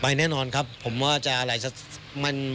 แน่นอนครับผมว่าจะอะไรสัก